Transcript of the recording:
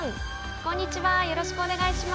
こんにちはよろしくお願いします。